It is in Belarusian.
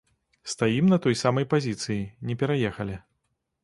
Стаім на той самай пазіцыі, не пераехалі.